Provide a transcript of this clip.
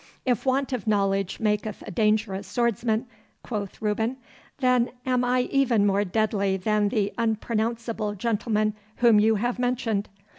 'If want of knowledge maketh a dangerous swordsman,' quoth Reuben, 'then am I even more deadly than the unpronounceable gentleman whom you have mentioned.